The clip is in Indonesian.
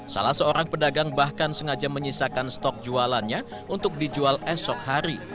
salah seorang pedagang bahkan sengaja menyisakan stok jualannya untuk dijual esok hari